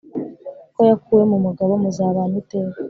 kuko yakuwe mu Mugabo muzabana iteka